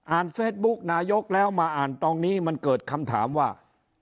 เฟซบุ๊กนายกแล้วมาอ่านตรงนี้มันเกิดคำถามว่า